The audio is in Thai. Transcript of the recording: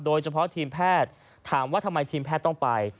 โดยเฉพาะทีมแพทย์ถามว่าทำไมทีมแพทย์ต้องไป